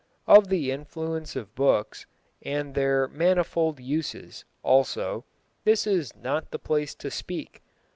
Of the influence of books, and their manifold uses, also, this is not the place to speak.